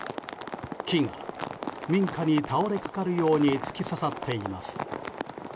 木が民家に倒れ掛かるように突き刺さっています。